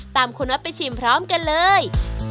ตามคุณน็อตไปชิมพร้อมกันเลย